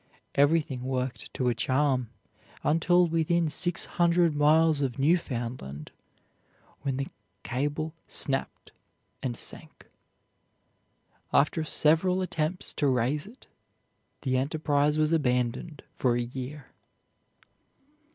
Everything worked to a charm until within six hundred miles of Newfoundland, when the cable snapped and sank. After several attempts to raise it, the enterprise was abandoned for a year.